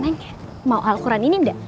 neng mau alquran ini gak